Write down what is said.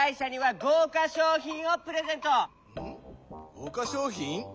ごうかしょうひん？